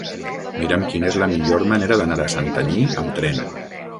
Mira'm quina és la millor manera d'anar a Santanyí amb tren.